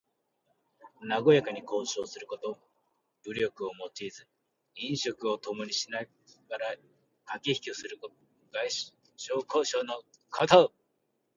なごやかに交渉すること。武力を用いず飲食をともにしながらかけひきをする外交交渉のこと。